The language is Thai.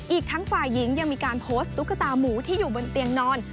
อีกทั้งฝ่ายหญิงยังมีการโพสต์ตุ๊กตาหมูที่อยู่บนเตียงนอน